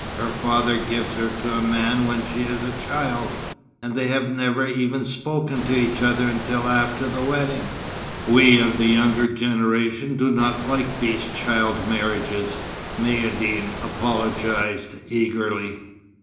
"Her father gives her to a man when she is a child, and they have never even spoken to each other until after the wedding." "We of the younger generation do not like these child marriages," Maïeddine apologized, eagerly.